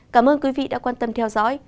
cảm ơn quý vị đã quan tâm theo dõi